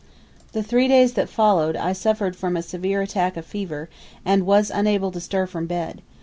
The three days following I suffered from a severe attack of fever, and was unable to stir from bed.